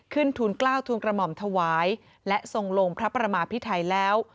ทุนกล้าวทุนกระหม่อมถวายและทรงลงพระประมาพิไทยแล้ว